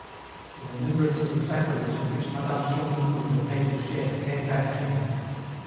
The remembrance of the sacrilege m whic.i Madame Chantelouve had made him share, came back to him.